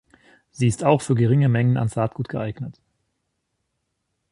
Sie ist auch für geringe Mengen an Saatgut geeignet.